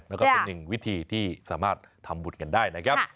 แล้วก็เป็นหนึ่งวิธีที่สามารถทำบุญกันได้นะครับ